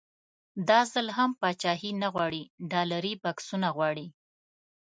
دا ځل هم پاچاهي نه غواړي ډالري بکسونه غواړي.